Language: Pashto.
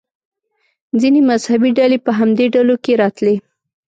ځینې مذهبي ډلې په همدې ډلو کې راتلې.